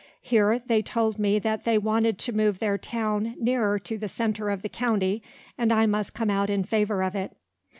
Here they told me that they wanted to move their town nearer to the centre of the county, and I must come out in favour of it.